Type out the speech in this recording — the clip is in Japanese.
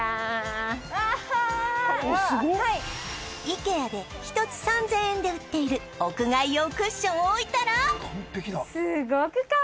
イケアで一つ３０００円で売っている屋外用クッションを置いたら